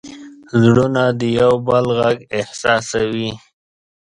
زړونه د یو بل غږ احساسوي.